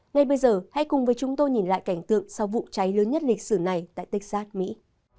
ngay bây giờ hãy cùng với chúng tôi nhìn lại cảnh tượng sau vụ cháy lớn nhất lịch sử này tại texas mỹ